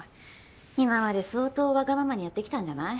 今まで相当わがままにやってきたんじゃない？